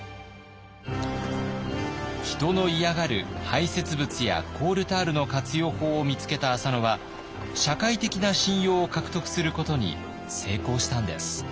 人の嫌がる排せつ物やコールタールの活用法を見つけた浅野は社会的な信用を獲得することに成功したんです。